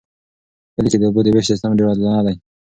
په کلي کې د اوبو د ویش سیستم ډیر عادلانه دی.